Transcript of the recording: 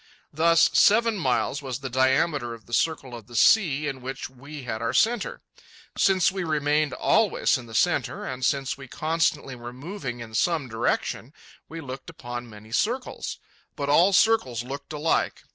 Thus, seven miles was the diameter of the circle of the sea in which we had our centre. Since we remained always in the centre, and since we constantly were moving in some direction, we looked upon many circles. But all circles looked alike.